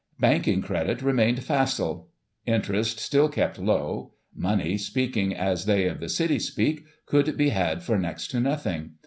Banking credit remained facile : interest still kept low ; money, speaking as they of the City speak, could be had for next to nothing.